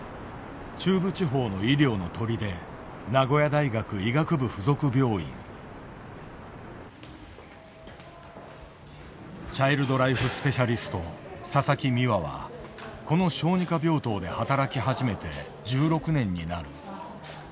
中部地方の医療の砦チャイルド・ライフ・スペシャリスト佐々木美和はこの小児科病棟で働き始めて１６年になる。